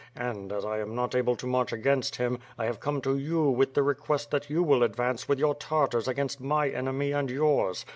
And, as I am not able to march against him, I have come to you with the request that you will advance with your Tartars against my enemy, and yours.